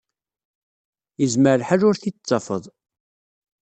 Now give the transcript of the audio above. Yezmer lḥal ur t-id-tettafeḍ.